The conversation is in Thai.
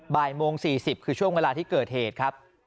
บ่ายโมง๔๐คือช่วงเวลาที่เกิดเหตุครับ